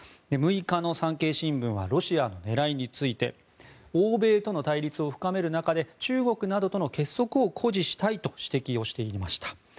６日の産経新聞はロシアの狙いについて欧米との対立を深める中で中国などとの結束を誇示したいと指摘していました。